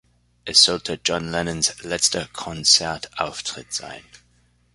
Es sollte John Lennons letzter Konzertauftritt sein.